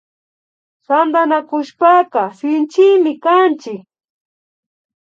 Tantanakushpaka Shinchimi kanchik